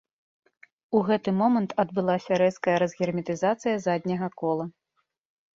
У гэты момант адбылася рэзкая разгерметызацыя задняга кола.